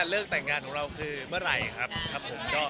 เลิกแต่งงานของเราคือเมื่อไหร่ครับครับผม